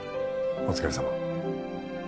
お疲れさま